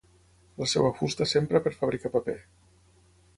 La seva fusta s'empra per fabricar paper.